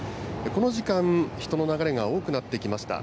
この時間、人の流れが多くなってきました。